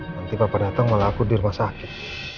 nanti papa dateng malah aku di rumah sakit